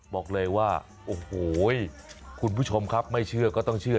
บอกเลยว่าโอ้โหคุณผู้ชมครับไม่เชื่อก็ต้องเชื่อ